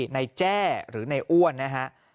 แจ้หรือในอ้วนนะฮะ